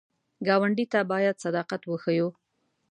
ګاونډي ته باید صداقت وښیو